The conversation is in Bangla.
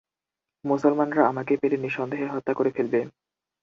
মুসলমানরা আমাকে পেলে নিঃসন্দেহে হত্যা করে ফেলবে।